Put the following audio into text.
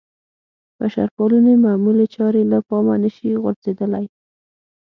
بشرپالنې معمولې چارې له پامه نه شي غورځېدلی.